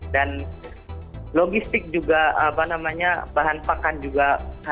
dan logistik juga apa namanya bahan pakan juga